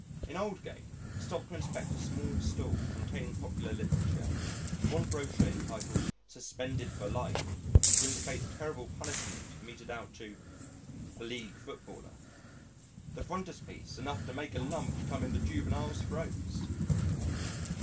In Aldgate, stopped to inspect a street stall containing popular literature one brochure entitled Suspended for Life to indicate the terrible punishment meted out to , a League footballer. The frontispiece enough to make a lump come in the juveniles' throats!